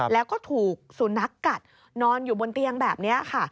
แล้วก็ถูกสุนัขกัดนอนอยู่บนเตียงแบบนี้ค่ะ